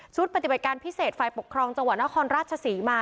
ปฏิบัติการพิเศษฝ่ายปกครองจังหวัดนครราชศรีมา